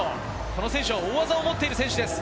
この選手は大技を持っています。